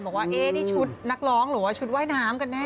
บอกว่านี่ชุดนักร้องหรือว่าชุดว่ายน้ำกันแน่